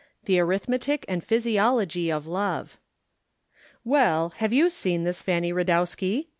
THE ARITHMETIC AND PHYSIOLOGY OF LOVE. "Well, have you seen this Fanny Radowski?"